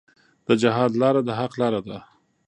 د جهاد لاره د حق لاره ده.